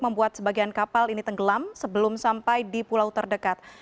membuat sebagian kapal ini tenggelam sebelum sampai di pulau terdekat